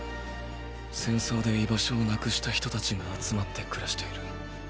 戦争で居場所をなくした人たちが集まって暮らしている。